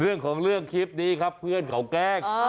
เรื่องของเรื่องคลิปนี้ครับเพื่อนเขาแกล้ง